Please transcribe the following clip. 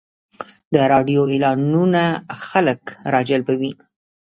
د راډیو اعلانونه خلک راجلبوي.